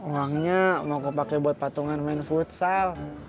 uangnya mau aku pakai buat patungan main futsal